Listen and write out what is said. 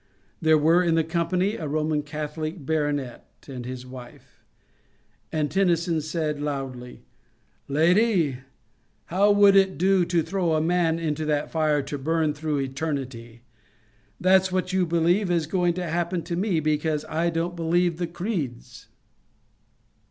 There were in the company a Roman Catholic baro net and his wife, and Tennyson said loudly, *' Lady , how would it do to throw a man into that fire to burn through eternity ? That 's what you believe is going to happen to me because I don't believe the creeds